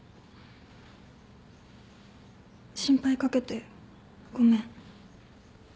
心配かけてごめん。